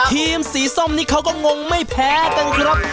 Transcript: ทีมสีส้มนี่เขาก็งงไม่แพ้กันครับ